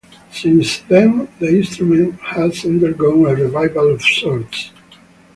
Since then, the instrument has undergone a revival of sorts.